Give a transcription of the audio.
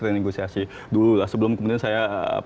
renegosiasi dulu lah sebelum kemudian saya